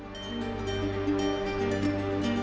khususnya bagi kalangan yang terbaik